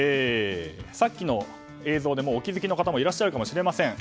さっきの映像でお気づきの方もいらっしゃるかもしれません。